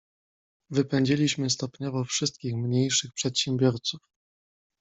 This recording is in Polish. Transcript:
"Wypędziliśmy stopniowo wszystkich mniejszych przedsiębiorców."